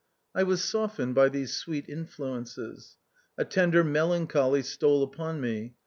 I was softened by these sweet influences. A tender melancholy stole upon me.